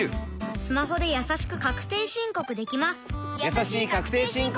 スマホでやさしく確定申告できます